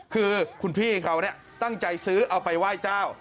คือคุณพี่เขาตั้งใจซื้อเอาไปไหว้เจ้า